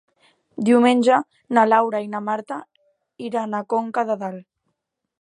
Diumenge na Laura i na Marta iran a Conca de Dalt.